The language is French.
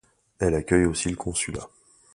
Elle accueille aussi le consulat.